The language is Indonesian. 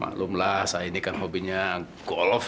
maklumlah saya ini kan hobinya golf